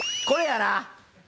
これやな！